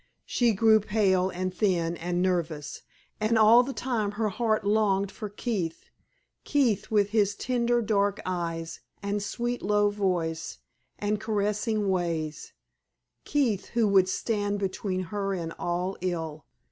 She grew pale and thin and nervous, and all the time her heart longed for Keith Keith with his tender dark eyes, and sweet, low voice, and caressing ways Keith who would stand between her and all ill.